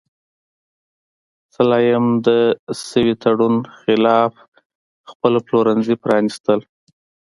سلایم د شوي تړون خلاف خپل پلورنځي پرانیستل.